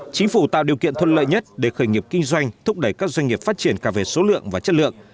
chính phủ tạo điều kiện thuận lợi nhất để khởi nghiệp kinh doanh thúc đẩy các doanh nghiệp phát triển cả về số lượng và chất lượng